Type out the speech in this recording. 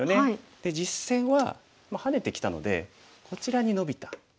で実戦はハネてきたのでこちらにノビた。